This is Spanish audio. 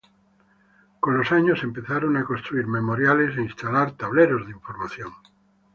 Con los años empezaron a construir memoriales e instalar tableros de información.